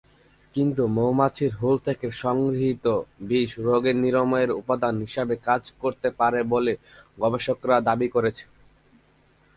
কিন্তু মৌমাছির হুল থেকে সংগৃহীত বিষ রোগ নিরাময়ের উপাদান হিসাবে কাজ করতে পারে বলে গবেষকরা দাবী করেছেন।